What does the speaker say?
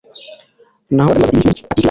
Nahoraga nibaza ibiri muri atike yawe